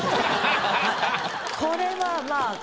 これはまあ。